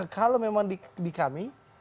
kalau memang di kami